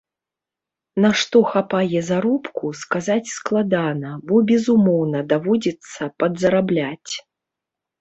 На што хапае заробку, сказаць складана, бо, безумоўна, даводзіцца падзарабляць.